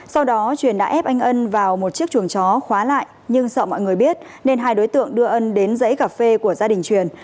sau đó truyền đã ép anh ân vào một chiếc chuồng chó khóa lại nhưng sợ mọi người biết nên hai đối tượng đưa ân đến dãy cà phê của gia đình truyền